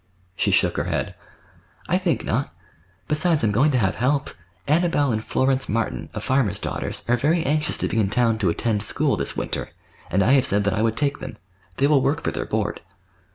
She shook her head. "I think not. Besides, I'm going to have help. Annabelle and Florence Martin, a farmer's daughters are very anxious to be in town to attend school this winter, and I have said that I would take them. They will work for their board."